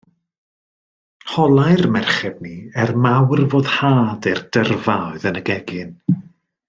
Holai'r merched ni, er mawr foddhad i'r dyrfa oedd yn y gegin.